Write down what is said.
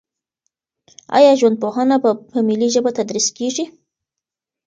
آیا ژوندپوهنه په ملي ژبه تدریس کیږي؟